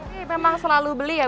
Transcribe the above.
memang selalu beli ya bu